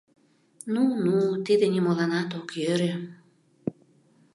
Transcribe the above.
— Ну-ну, тиде нимоланат ок йӧрӧ!